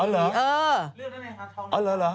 อ๋อเหรอ